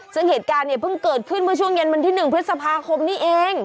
ซึ่งเหตุการณ์เนี่ยเพิ่งเกิดขึ้นเมื่อช่วงเย็นวันที่๑พฤษภาคมนี้เอง